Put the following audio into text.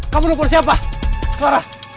kamu lupa siapa clara